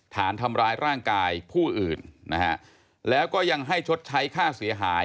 ฐานทำร้ายร่างกายผู้อื่นนะฮะแล้วก็ยังให้ชดใช้ค่าเสียหาย